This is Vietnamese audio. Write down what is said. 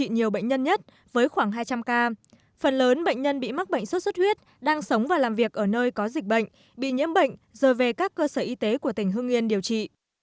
nhiều bệnh nhân nhất với khoảng hai trăm linh ca phần lớn bệnh nhân bị mắc bệnh sốt xuất huyết đang sống và làm việc ở nơi có dịch bệnh bị nhiễm bệnh rồi về các cơ sở y tế của tỉnh hương yên điều trị